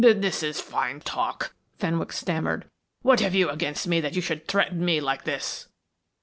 "This is fine talk," Fenwick stammered. "What have you against me that you should threaten me like this?"